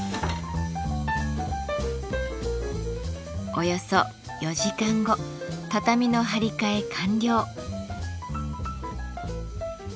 およそ４時間後畳の張り替え完了。